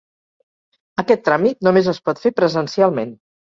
Aquest tràmit només es pot fer presencialment.